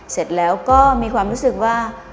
เสร็จแล้วก็มีความรู้สึกว่า